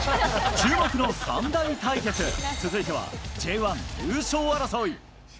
注目の３大対決、続いてはＪ１優勝争い。